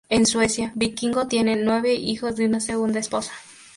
En Suecia, Vikingo tiene nueve hijos de una segunda esposa.